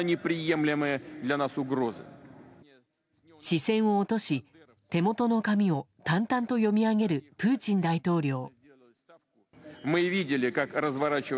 視線を落とし、手元の紙を淡々と読み上げるプーチン大統領。